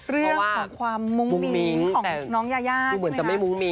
เรื่องของความมุ้งมิ้งของน้องยาใช่ไหมค่ะ